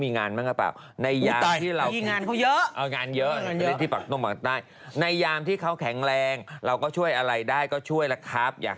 น้องในวงที่เขามี๕คน